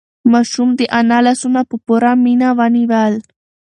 ماشوم د انا لاسونه په پوره مینه ونیول.